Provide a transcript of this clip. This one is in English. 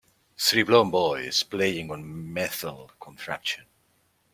Three blond boys playing on metal contraption.